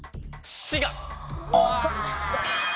滋賀。